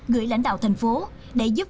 gửi lãnh đạo thành phố để giúp